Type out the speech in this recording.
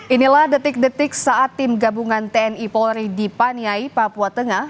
inilah detik detik saat tim gabungan tni polri di paniai papua tengah